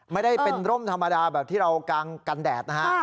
ไม่ได้เป็นร่มธรรมดาแบบที่เรากางกันแดดนะฮะ